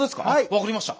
分かりました。